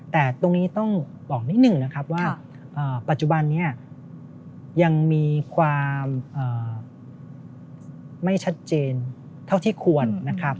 แต่ตรงนี้ต้องบอกนิดหนึ่งนะครับว่าปัจจุบันนี้ยังมีความไม่ชัดเจนเท่าที่ควรนะครับ